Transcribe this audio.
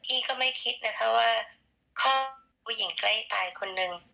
พี่ก็ไม่คิดนะคะว่าผู้หญิงใกล้ตายคนนึง